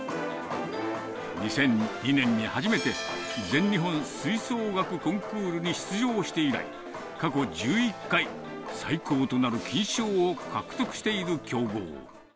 ２００２年に初めて全日本吹奏楽コンクールに出場して以来、過去１１回、最高となる金賞を獲得している強豪。